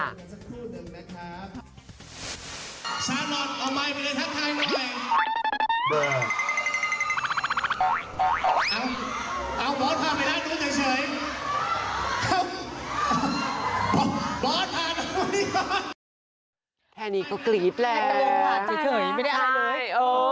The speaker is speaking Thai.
แพ้นี้ก็กรี๊บแหละแม่ตาโบปาตเจ๋ยเผยไหนก็กรี๊บแหละแหมไม่ได้อาจอะไร